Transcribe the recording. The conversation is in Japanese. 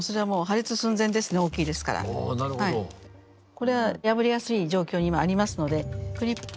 これは破れやすい状況に今ありますのでクリップを。